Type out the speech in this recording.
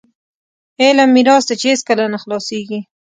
علم میراث دی چې هیڅکله نه خلاصیږي.